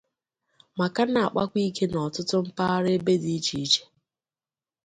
ma ka na-akpakwa ike n'ọtụtụ mpaghara ebe dị iche iche